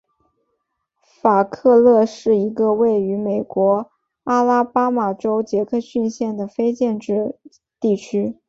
法克勒是一个位于美国阿拉巴马州杰克逊县的非建制地区。